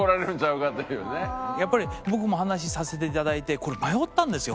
やっぱり僕も話させていただいてこれ迷ったんですよ